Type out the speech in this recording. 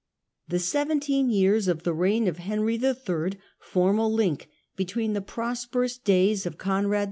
The seventeen years of the reign of Henry III. form a link between the prosperous days of Conrad II.